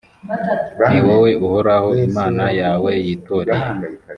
ni wowe uhoraho imana yawe yitoreye